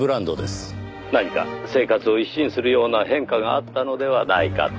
「何か生活を一新するような変化があったのではないかと」